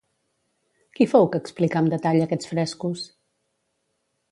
Qui fou que explicà amb detall aquests frescos?